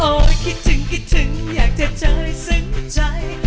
โอ้ยคิดถึงคิดถึงอยากเธอเจอให้สึงใจ